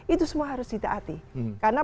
itu semua harus ditaati karena